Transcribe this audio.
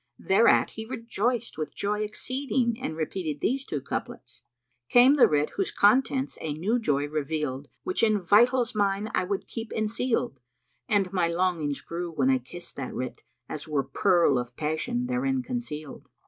Thereat he rejoiced with joy exceeding and repeated these two couplets, "Came the writ whose contents a new joy revealed, * Which in vitals mine I would keep ensealed: And my longings grew when I kissed that writ, * As were pearl of passion therein concealed."